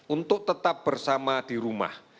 untuk tetap bersama di rumah